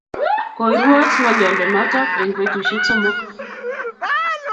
Koirwoch ng'alyondo notok eng' petusyek somok